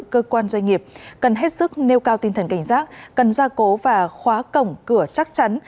cơ quan doanh nghiệp cần hết sức nêu cao tinh thần cảnh giác cần ra cố và khóa cổng cửa chắc chắn